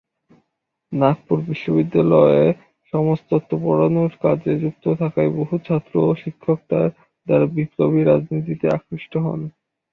নাগপুর বিশ্ববিদ্যালয়ে সমাজতত্ত্ব পড়ানোর কাজে যুক্ত থাকায় বহু ছাত্র ও শিক্ষক তার দ্বারা বিপ্লবী রাজনীতিতে আকৃষ্ট হন।